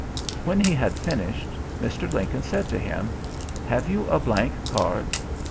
When he had finished, Mr. Lincoln said to him, "Have you a blank card?"